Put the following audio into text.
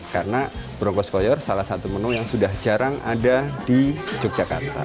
karena berongkos koyor salah satu menu yang sudah jarang ada di yogyakarta